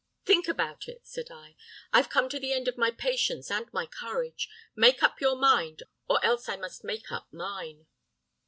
"'Think about it,' said I. 'I've come to the end of my patience and my courage. Make up your mind or else I must make up mine.